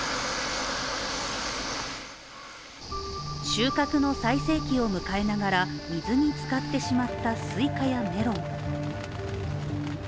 収穫の最盛期を迎えながら水につかってしまったスイカやメロン。